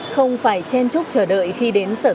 không phải chen chúc chờ đợi khi đến sở